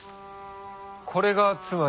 これがつまり。